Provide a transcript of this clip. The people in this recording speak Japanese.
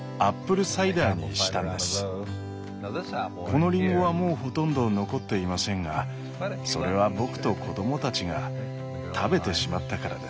このリンゴはもうほとんど残っていませんがそれは僕と子供たちが食べてしまったからです。